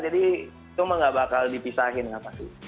jadi itu mah nggak bakal dipisahin nggak pasti